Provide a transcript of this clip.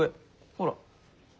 ほら！